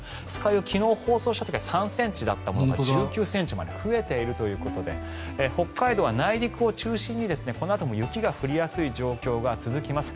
湯は昨日放送した時は３ｃｍだったものが１９ｃｍまで増えているということで北海道は内陸を中心にこのあとも雪が降りやすい状況が続きます。